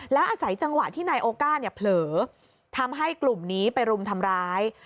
แล้วอาศัยจังหวะที่นายโอก้าเนี่ยเผลอทำให้กลุ่มนี้ไปรุมทำร้าย